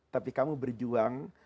tapi kamu berjuang